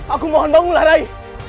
aku mohon bangunlah rai